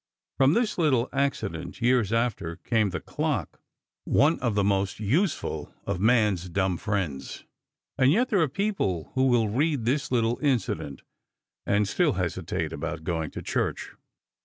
From this little accident, years after, came the clock, one of the most useful of man's dumb friends. And yet there are people who will read this little incident and still hesitate about going to church.